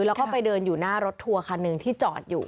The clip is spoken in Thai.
แล้วก็ไปเดินอยู่หน้ารถทัวร์คันหนึ่งที่จอดอยู่